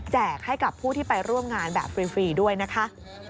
ให้กับผู้ที่ไปร่วมงานแบบฟรีด้วยนะคะ